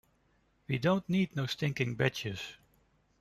We don't need no stinkin' badges!